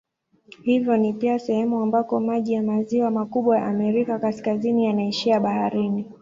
Hivyo ni pia sehemu ambako maji ya maziwa makubwa ya Amerika Kaskazini yanaishia baharini.